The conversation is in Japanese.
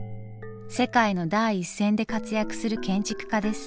世界の第一線で活躍する建築家です。